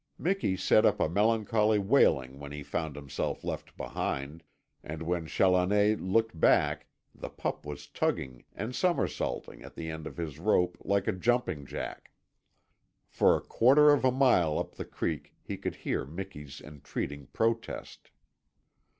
Miki set up a melancholy wailing when he found himself left behind, and when Challoner looked back the pup was tugging and somersaulting at the end of his rope like a jumping jack. For a quarter of a mile up the creek he could hear Miki's entreating protest.